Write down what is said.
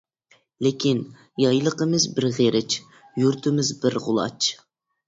لېكىن يايلىقىمىز بىر غېرىچ، يۇرتىمىز بىر غۇلاچ.